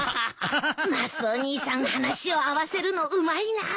マスオ兄さん話を合わせるのうまいな。